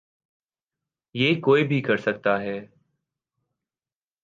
یہ کوئی بھی کر سکتا ہے۔